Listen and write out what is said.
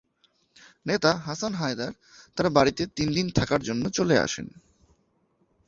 নেতা হাসান হায়দার তার বাড়িতে তিনদিন থাকার জন্য চলে আসেন।